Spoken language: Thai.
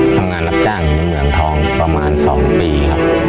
ทำงานรับจ้างในเหมืองทองประมาณสองปีครับ